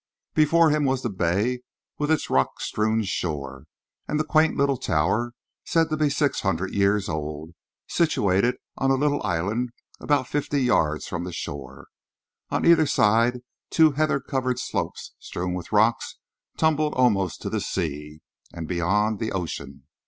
Before him was the bay with its rock strewn shore, and the quaint little tower, said to be six hundred years old, situated on a little island about fifty yards from the shore. On either side two heather covered slopes, strewn with rocks, tumbled almost to the sea; and beyond, the ocean.